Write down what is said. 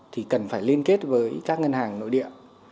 thì cần phải liên kết với các ngân hàng nội địa